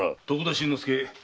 徳田新之助。